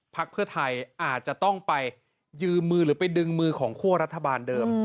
พักเพื่อไทยอาจจะต้องไปยืมมือหรือไปดึงมือของคั่วรัฐบาลเดิม